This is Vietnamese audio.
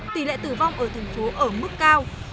tỷ lệ tử vong ở tp hcm ở mức cao